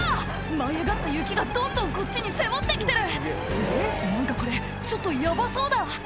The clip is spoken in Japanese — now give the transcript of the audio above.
舞い上がった雪がどんどんこっちに迫って来てる何かこれちょっとヤバそうだ